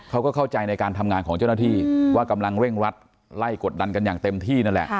เขาก็เข้าใจในการทำงานของเจ้าหน้าที่ว่ากำลังเร่งรัดไล่กดดันกันอย่างเต็มที่นั่นแหละ